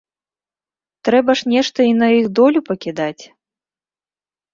Трэба ж нешта і на іх долю пакідаць.